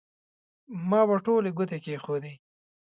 ما به ټولې ګوتې کېښودې.